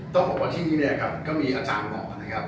ต้องบอกตอนนี้ตามีอาจารย์ออกน้ำได้ครับ